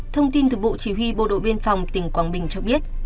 thông tin từ bộ chỉ huy bộ đội biên phòng tỉnh quảng bình cho biết